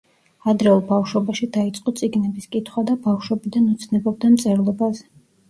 ადრეულ ბავშვობაში დაიწყო წიგნების კითხვა და ბავშვობიდან ოცნებობდა მწერლობაზე.